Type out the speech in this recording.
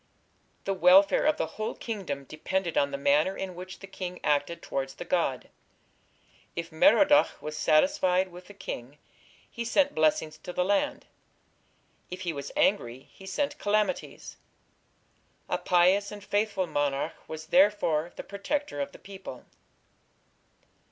The welfare of the whole kingdom depended on the manner in which the king acted towards the god. If Merodach was satisfied with the king he sent blessings to the land; if he was angry he sent calamities. A pious and faithful monarch was therefore the protector of the people.